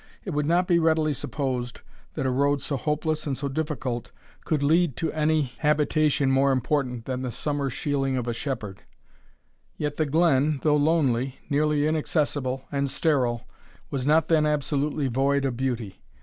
It would not be readily supposed that a road so hopeless and so difficult could lead to any habitation more important than the summer shealing of a shepherd. Yet the glen, though lonely, nearly inaccessible, and sterile, was not then absolutely void of beauty.